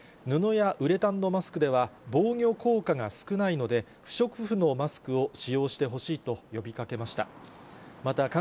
布やウレタンのマスクでは防御効果が少ないので、不織布のマスクを使用してほしいと呼びかけました。